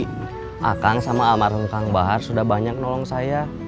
kakang sama amar humkang bahar sudah banyak nolong saya